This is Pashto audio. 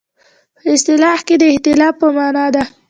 په اصطلاح کې د اختلاف په معنی ده.